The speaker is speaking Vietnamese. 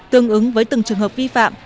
tương ứng với từng trường hợp vi phạm